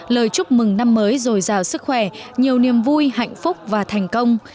lời chúc mừng năm mới rồi giàu sức khỏe nhiều niềm vui hạnh phúc và thành công